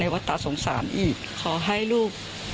ในวัตถะสงสารอีกขอให้ลูก